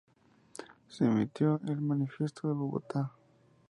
Se emitió el "Manifiesto de Bogotá".